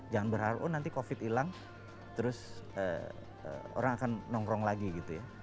jangan berharap oh nanti covid hilang terus orang akan nongkrong lagi gitu ya